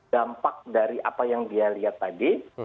dampak dari apa yang dia lihat tadi